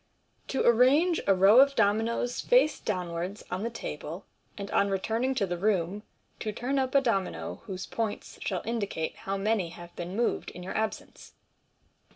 to arrange a row of dominoes face downwards on th1 Table, and on returning to the Room to turn up a Domino whose points shall indicate how many have been moved in tour absence.